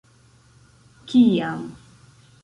kiam